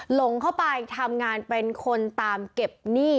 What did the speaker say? หลงเข้าไปทำงานเป็นคนตามเก็บหนี้